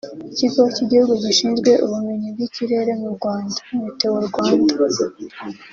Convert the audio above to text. Ikigo cy’igihugu gishinzwe ubumenyi bw’ikirere mu Rwanda (Meteo Rwanda)